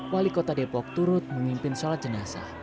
wali kota depok turut memimpin sholat jenazah